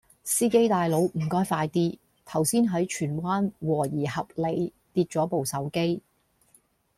司機大佬唔該快啲，頭先喺荃灣和宜合里跌左部手機